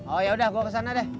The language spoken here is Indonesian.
oh yaudah gue kesana deh